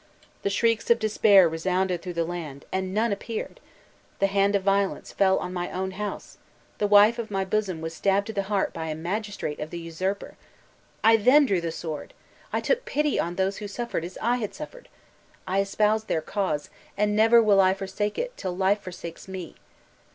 The shrieks of despair resounded through the land and none appeared! The hand of violence fell on my own house! the wife of my bosom was stabbed to the heart by a magistrate of the usurper! I then drew the sword! I took pity on those who suffered as I had suffered! I espoused their cause, and never will I forsake it till life forsakes me.